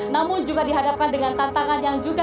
namun juga dihadapkan dengan tantangan yang juga